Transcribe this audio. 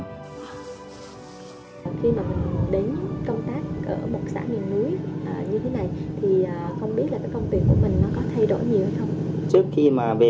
khi mà mình đến công tác ở một xã miền núi như thế này